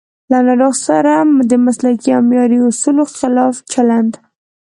له ناروغ سره د مسلکي او معیاري اصولو خلاف چلند